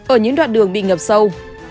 ở những đoạn đường bị ngập sâu